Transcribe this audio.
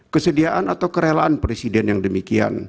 kesediaan atau kerelaan presiden yang demikian